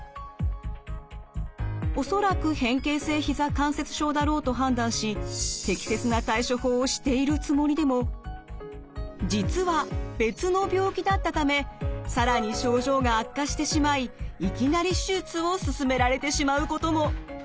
恐らく変形性ひざ関節症だろうと判断し実は別の病気だったため更に症状が悪化してしまいいきなり手術を勧められてしまうことも。